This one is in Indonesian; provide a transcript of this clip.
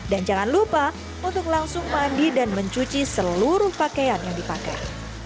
dan jangan lupa untuk langsung mandi dan mencuci seluruh pakaian yang dipakai